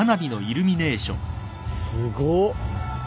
すごっ。